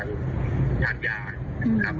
เมื่อ๕ปีที่ผ่านมาแล้ว๒ปีที่ผ่านมา